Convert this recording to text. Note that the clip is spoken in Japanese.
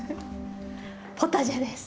ポタジェです。